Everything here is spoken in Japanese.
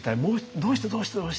どうしてどうしてどうして？